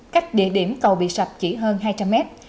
cách địa điểm cầu bị sập chỉ hơn hai trăm linh mét